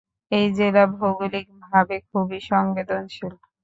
এই জেলা ভৌগোলিকভাবে খুবই সংবেদনশীল।